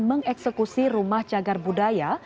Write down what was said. mengeksekusi rumah cagar budaya